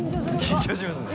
緊張しますね。